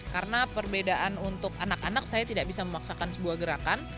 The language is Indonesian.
karena perbedaan untuk anak anak saya tidak bisa memaksakan sebuah gerakan